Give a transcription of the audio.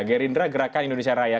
gerindra gerakan indonesia raya